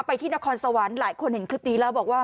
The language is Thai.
ที่นครสวรรค์หลายคนเห็นคลิปนี้แล้วบอกว่า